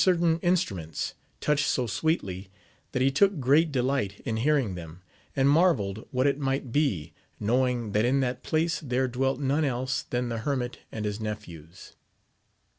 299 touched so sweetly, that he took great delight in hear ing them, and marvelled what it might be, knowing that in that place there dwelt none else than the hermit and his nephews.